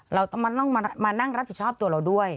เราต้องมานั่งรับผิดชอบตัวเราด้วย